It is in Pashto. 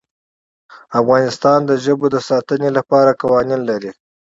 افغانستان د ژبو د ساتنې لپاره قوانین لري.